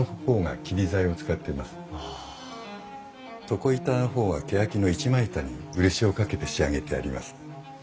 床板の方はけやきの一枚板に漆をかけて仕上げてあります。